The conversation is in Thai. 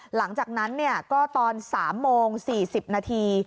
หลังจากนั้นก็ตอน๓โมง๔๐นาที